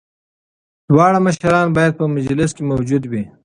دواړه مشران باید په مجلس کي موجود وي.